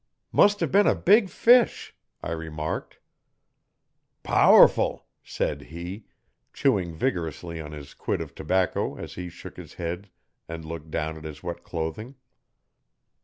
'Must have been a big fish,' I remarked. 'Powerful!' said he, chewing vigorously on his quid of tobacco as he shook his head and looked down at his wet clothing.